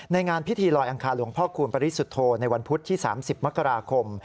งานพิธีลอยอังคารหลวงพ่อคูณปริสุทธโธในวันพุธที่๓๐มกราคม